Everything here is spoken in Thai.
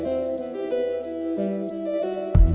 ก้อดแผนชี้ป้า